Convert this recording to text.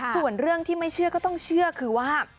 ส่วนเรื่องที่ไม่เชื่อก็ต้องเชื่อคือว่า